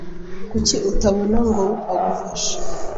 Kuki utabona ngo agufashe?